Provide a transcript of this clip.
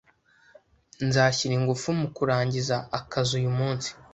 Nzashyira ingufu mu kurangiza akazi uyu munsi.